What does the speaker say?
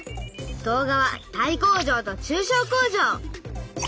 動画は「大工場と中小工場」！